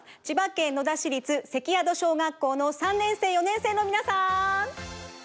千葉県野田市立関宿小学校の３年生４年生のみなさん！